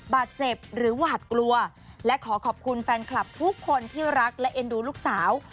บาดเจ็บหรือหวาดกลัวและขอขอบคุณแฟนคลับทุกคนที่รักและเอ็นดูลูกสาว